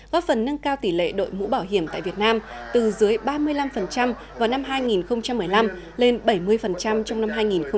góp phần nâng cao tỷ lệ đội mũ bảo hiểm tại việt nam từ dưới ba mươi năm vào năm hai nghìn một mươi năm lên bảy mươi trong năm hai nghìn một mươi tám